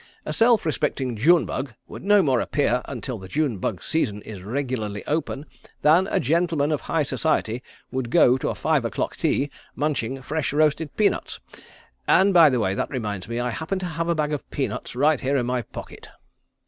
A self respecting June bug would no more appear until the June bug season is regularly open than a gentleman of high society would go to a five o'clock tea munching fresh roasted peanuts. And by the way, that reminds me I happen to have a bag of peanuts right here in my pocket."